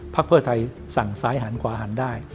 ภักดิ์เพื่อไทยสั่งซ้ายหันกว่าหันได้